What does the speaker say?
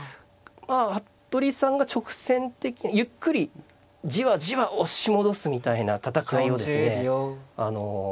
まあ服部さんが直線的ゆっくりじわじわ押し戻すみたいな戦いをですね